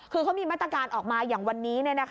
คือเขามีมาตรการออกมาอย่างวันนี้